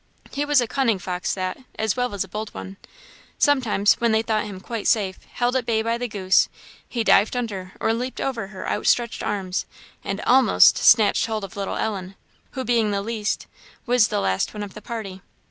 He was a cunning fox that, as well as a bold one. Sometimes, when they thought him quite safe, held at bay by the goose, he dived under or leaped over her outstretched arms, and almost snatched hold of little Ellen, who being the least, was the last one of the party.